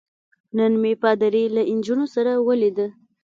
نن مې پادري له نجونو سره ولید.